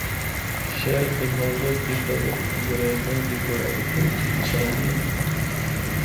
شہر دے مغرب دی طرف انگریزاں دی بنڑائ فوجی چھاؤنی ہے۔